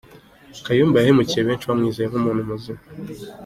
Kayumba yahemukiye benshi bamwizeye nk’umuntu muzima.